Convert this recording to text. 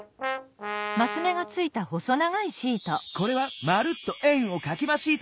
これは「まるっと円をかきまシート」！